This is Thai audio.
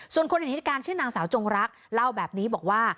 ส่วนคนเห็นเหตุการณ์ชื่อนางสาวจงรักเล่าแบบนี้บอกว่า